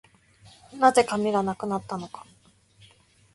何故、紙がなくなったのか